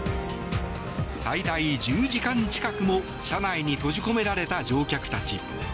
最大１０時間近くも車内に閉じ込められた乗客たち。